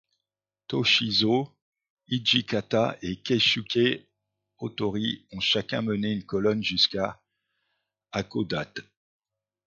Toshizo Hijikata et Keisuke Otori ont chacun mené une colonne jusqu'à Hakodate.